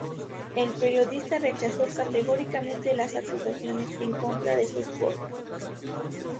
El periodista rechazó categóricamente las acusaciones en contra de su esposa.